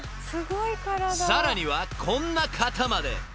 ［さらにはこんな方まで］